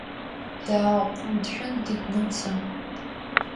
Дааҟәндшәындит Нуца.